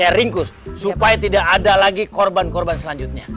saya ringkus supaya tidak ada lagi korban korban selanjutnya